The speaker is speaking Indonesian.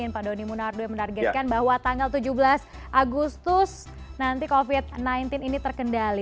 pak doni munardo yang menargetkan bahwa tanggal tujuh belas agustus nanti covid sembilan belas ini terkendali